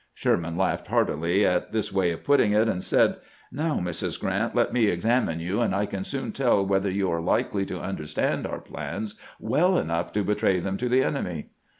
Sherman laughed heartily at this way of putting it, and said :" Now, Mrs. Grant, let me examine you, and I can soon teU. whether you are likely to understand our plans well enough to betray them to the enemy."